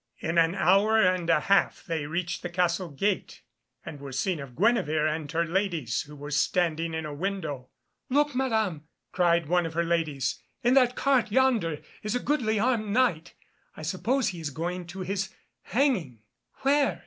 In an hour and a half they reached the castle gate, and were seen of Guenevere and her ladies, who were standing in a window. "Look, Madam," cried one of her ladies, "in that cart yonder is a goodly armed Knight. I suppose he is going to his hanging." "Where?"